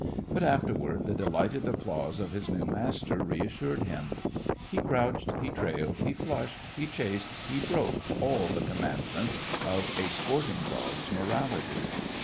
But afterward the delighted applause of his new master reassured him. He crouched, he trailed, he flushed, he chased, he broke all the commandments of a sporting dog's morality.